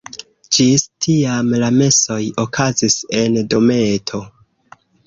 Ĝis tiam la mesoj okazis en dometo.